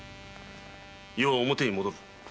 余は表に戻る。